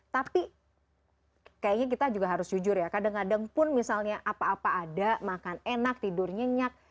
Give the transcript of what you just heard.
tapi kayaknya kita juga harus jujur ya kadang kadang pun misalnya apa apa ada makan enak tidur nyenyak